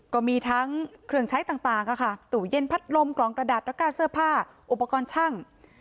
ก็มีทั้งเครื่องใช้ต่างค่ะตู้เย็นพัดลมกล่องกระดาษระกาเสื้อผ้าอุปกรณ์ช่าง